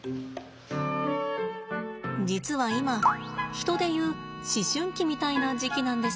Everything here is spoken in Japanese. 実は今人でいう思春期みたいな時期なんです。